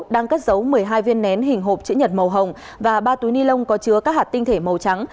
đang cất giấu một mươi hai viên nén hình hộp chữ nhật màu hồng và ba túi ni lông có chứa các hạt tinh thể màu trắng